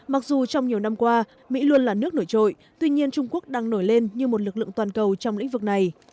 mặc dù trong nhiều năm qua mỹ luôn là nước nổi trội tuy nhiên trung quốc đang nổi lên như một lực lượng toàn cầu trong lĩnh vực này